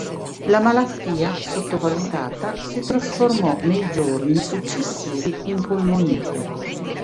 La malattia, sottovalutata, si trasformò nei giorni successivi in polmonite.